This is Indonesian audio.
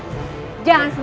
sekarang kalian berdua